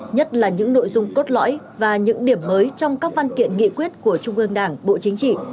nhất là những nội dung cốt lõi và những điểm mới trong các văn kiện nghị quyết của trung ương đảng bộ chính trị